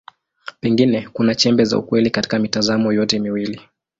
Pengine kuna chembe za ukweli katika mitazamo yote miwili.